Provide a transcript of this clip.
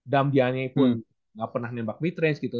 dem diagne pun gak pernah nembak mid range gitu